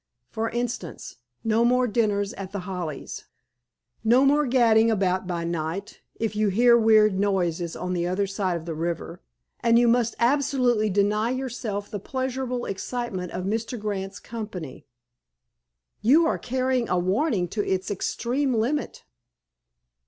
For instance, no more dinners at The Hollies. No more gadding about by night, if you hear weird noises on the other side of the river. And you must absolutely deny yourself the pleasurable excitement of Mr. Grant's company." "You are carrying a warning to its extreme limit."